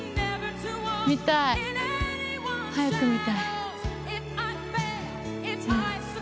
見たい早く見たい。